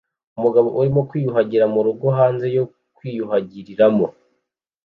Umugabo arimo kwiyuhagira murugo hanze yo kwiyuhagiriramo